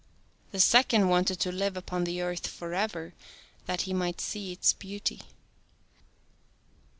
The second wanted to live upon the earth forever that he might see its beauty.